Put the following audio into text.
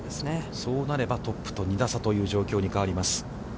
そうなれば、トップと２打差という状況に変わります。